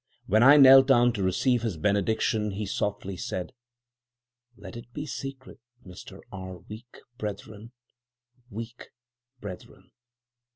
When I knelt down to receive his benediction, he softly said, 'Let it be secret, Mr R. Weak brethren! weak brethren!'"